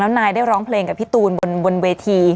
นายได้ร้องเพลงกับพี่ตูนบนเวที